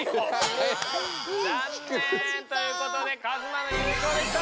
ざんねん！ということでカズマの優勝でした！